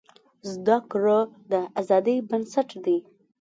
زده کړه د ازادۍ بنسټ دی.